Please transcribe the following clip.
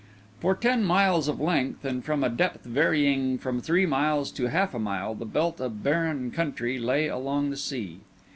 For ten miles of length, and from a depth varying from three miles to half a mile, this belt of barren country lay along the sea.